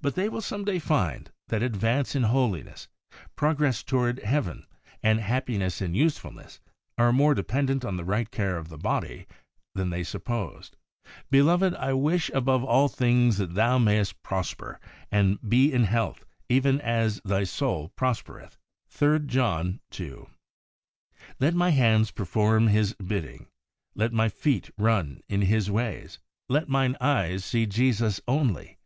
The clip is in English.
But they will some day find that advance in Holiness, progress toward Heaven and happiness and usefulness, are more de pendent on the right care of the body than they supposed. 44 THE WAY OF HOLINESS ' Beloved, I wish above all things that thou mayest prosper and be in health even as thy soul prospereth ' (3 John 2). Let my hands perform His bidding, Let my feet run in His ways, Let mine eyes see Jesus only.